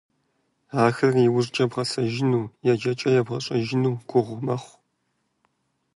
Ахэр иужькӀэ бгъэсэжыну, еджэкӀэ ебгъэщӀэжыну гугъу мэхъу.